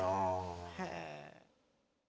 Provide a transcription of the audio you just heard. へえ。